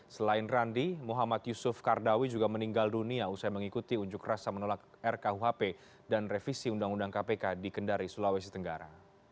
selain randi muhammad yusuf kardawi juga meninggal dunia usai mengikuti unjuk rasa menolak rkuhp dan revisi undang undang kpk di kendari sulawesi tenggara